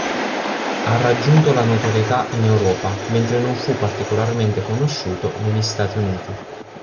Ha raggiunto la notorietà in Europa, mentre non fu particolarmente conosciuto negli Stati Uniti.